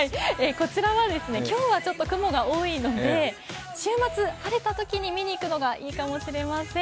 こちらは雲が多いので週末、晴れたときに見に行くのがいいかもしれません。